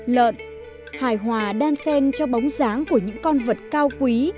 lợn hài hòa đan sen cho bóng dáng của những con vật cao quý